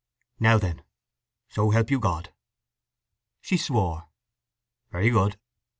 "Now then: So help you God!" She swore. "Very good!"